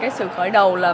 cái đó là sự khởi đầu